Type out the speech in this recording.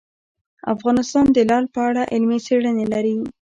افغانستان د لعل په اړه علمي څېړنې لري.